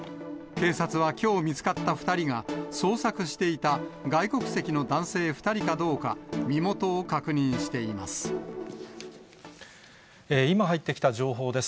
警察はきょう見つかった２人が、捜索していた外国籍の男性２人かどうか、身元を確認しています。